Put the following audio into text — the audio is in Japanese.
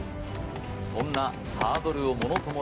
そんな